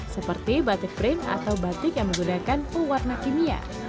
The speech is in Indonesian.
seperti batik prim atau batik yang menggunakan pewarna kimia